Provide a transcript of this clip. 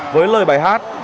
với lời bài hát